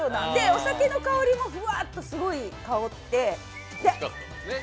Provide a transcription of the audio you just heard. お酒の香りもふわっとすごい香って。